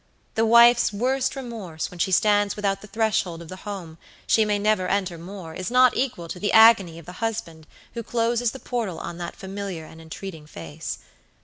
The wife's worst remorse when she stands without the threshold of the home she may never enter more is not equal to the agony of the husband who closes the portal on that familiar and entreating face.